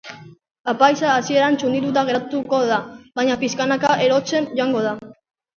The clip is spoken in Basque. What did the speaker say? Apaiza hasieran txundituta geratuko da, baina pixkanaka erotzen joango da.